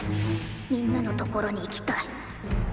みんなの所に行きたい。